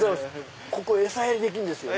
ここ餌やりできるんですよね？